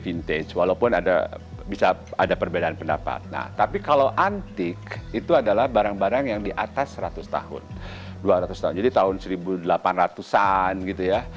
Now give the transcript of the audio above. vintage tak sama dengan antik